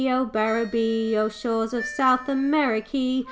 O Barbaree! O shores of South Amerikee!